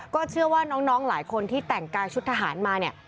เชื่อว่าน้องหลายคนที่แต่งกายชุดทหารมาเนี่ย